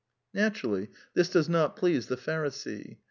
Naturally this does not please the Pharisee.